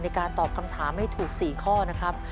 ในการตอบคำถามให้ถูก๔ข้อนะครับ